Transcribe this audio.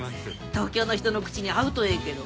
東京の人の口に合うとええけど。